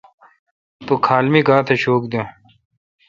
تو کھال می گانتھ شوک دین۔